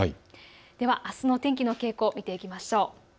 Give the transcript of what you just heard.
ではあすの天気の傾向を見ていきましょう。